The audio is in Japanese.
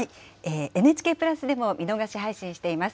ＮＨＫプラスでも見逃し配信しています。